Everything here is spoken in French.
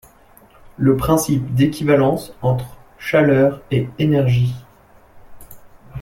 le principe d'équivalence entre chaleur et énergie.